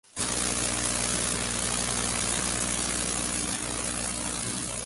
El presidente del jurado fue el director italiano Nanni Moretti.